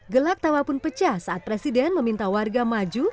gelak tawa pun pecah saat presiden meminta warga maju